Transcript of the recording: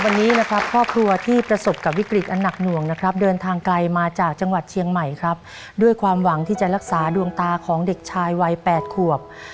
วันนี้นะครับครอบครัวที่ประสบกับวิกฤตอันหนักหน่วงนะครับเดินทางไกลมาจากจังหวัดเชียงใหม่ครับด้วยความหวังที่จะรักษาดวงตาของเด็กชายวัย๘ขวบ